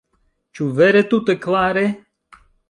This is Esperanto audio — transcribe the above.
Ĉu vere tute klare?